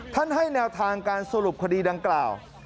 ให้แนวทางการสรุปคดีดังกล่าว